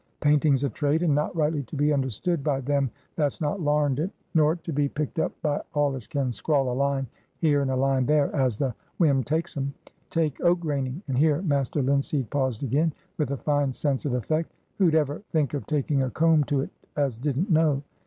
Painting's a trade; and not rightly to be understood by them that's not larned it, nor to be picked up by all as can scrawl a line here and a line there, as the whim takes 'em. Take oak graining,"—and here Master Linseed paused again, with a fine sense of effect,—"who'd ever think of taking a comb to it as didn't know?